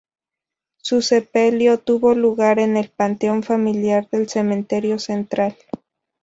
Su sepelio tuvo lugar en el panteón familiar del Cementerio Central.